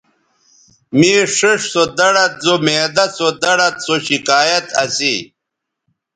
مے ݜیئݜ سو دڑد زو معدہ سو دڑد سو شکایت اسی